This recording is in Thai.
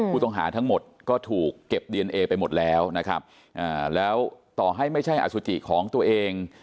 ผู้ต้องหาทั้งหมดก็ถูกเก็บดีเอนเอไปหมดแล้วนะครับแล้วต่อให้ไม่ใช่อสุจิของตัวเอง